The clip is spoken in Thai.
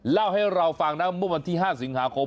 เล่าให้เราฟังนะเมื่อวันที่๕สิงหาคม